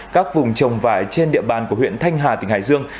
các vùng trồng vải trên địa bàn của huyện thanh hà tỉnh hải dương